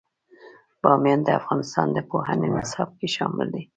بامیان د افغانستان د پوهنې نصاب کې شامل دي.